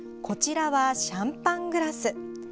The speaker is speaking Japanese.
こちらはシャンパングラス。